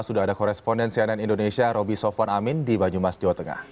sudah ada koresponden cnn indonesia roby sofwan amin di banyumas jawa tengah